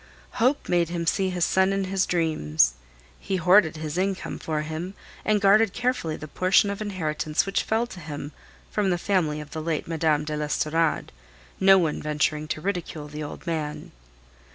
Hope made him see his son in dreams. He hoarded his income for him, and guarded carefully the portion of inheritance which fell to him from the family of the late Mme. de l'Estorade, no one venturing to ridicule the old man.